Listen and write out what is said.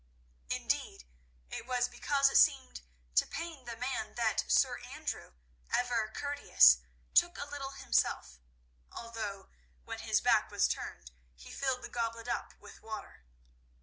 Indeed, it was because it seemed to pain the man that Sir Andrew, ever courteous, took a little himself, although, when his back was turned, he filled the goblet up with water.